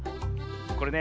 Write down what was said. これね